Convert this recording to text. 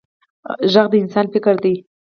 غږ د انسان فکر دی